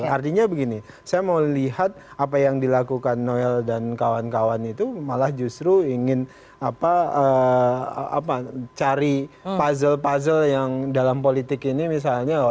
artinya begini saya mau lihat apa yang dilakukan noel dan kawan kawan itu malah justru ingin cari puzzle puzzle yang dalam politik ini misalnya